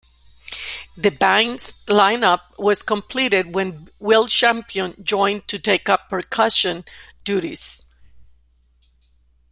The band's line-up was completed when Will Champion joined to take up percussion duties.